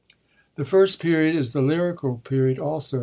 The First Period is the lyrical period also.